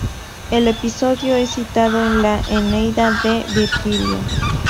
El episodio es citado en la "Eneida" de Virgilio.